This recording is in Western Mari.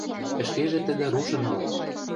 Ӹшкежӹ тӹдӹ рушын ылеш.